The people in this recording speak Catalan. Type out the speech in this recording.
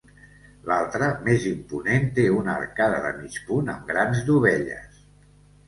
L’altra, més imponent, té una arcada de mig punt amb grans dovelles.